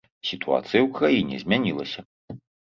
Сітуацыя ў краіне змянілася.